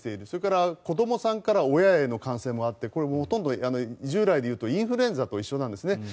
それから子どもさんから親への感染もあってこれはほとんど従来でいうとインフルエンザと一緒なんですね。